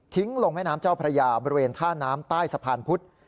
ลงแม่น้ำเจ้าพระยาบริเวณท่าน้ำใต้สะพานพุธ